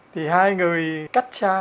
thì hai người cách xa